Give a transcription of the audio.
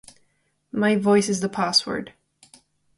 My voice is the password.